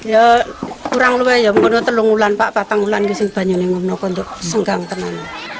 ya kurang lebih ya mungkin telung ulan patang ulan kesempatan ini mungkin untuk sunggang teman